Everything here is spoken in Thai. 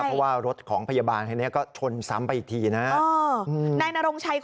เพราะว่ารถของพยาบาลคันนี้ก็ชนซ้ำไปอีกทีนะ